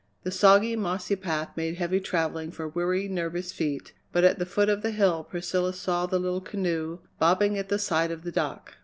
The soggy, mossy path made heavy travelling for weary, nervous feet, but at the foot of the hill Priscilla saw the little canoe bobbing at the side of the dock.